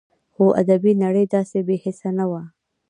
خو ادبي نړۍ داسې بې حسه نه وه